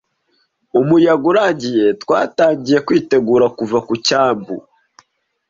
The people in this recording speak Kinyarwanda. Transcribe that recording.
Umuyaga urangiye, twatangiye kwitegura kuva ku cyambu.